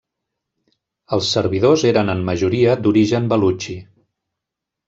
Els servidors eren en majoria d'origen balutxi.